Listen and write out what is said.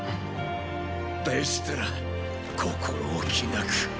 でしたら心置きなく。